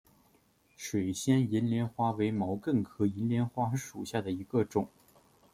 水仙银莲花为毛茛科银莲花属下的一个种。